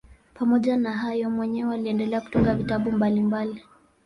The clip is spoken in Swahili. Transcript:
Pamoja na hayo mwenyewe aliendelea kutunga vitabu mbalimbali.